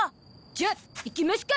じゃあ行きますか。